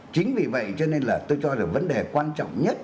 chính vì vậy cho nên là tôi cho là vấn đề quan trọng nhất